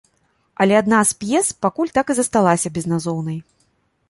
Але адна з п'ес пакуль так і засталася безназоўнай.